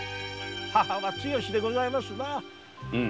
「母は強し」でございますな。